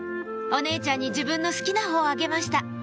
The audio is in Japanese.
お姉ちゃんに自分の好きなほうあげました